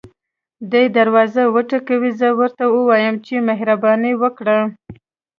دی دروازه وټکوي زه ورته ووایم چې مهرباني وکړئ.